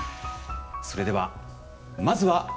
それではまずは。